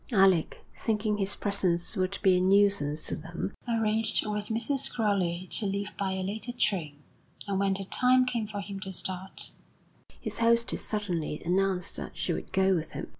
Alec, thinking his presence would be a nuisance to them, arranged with Mrs. Crowley to leave by a later train; and, when the time came for him to start, his hostess suddenly announced that she would go with him.